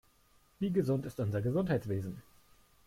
Wie gesund ist unser Gesundheitswesen?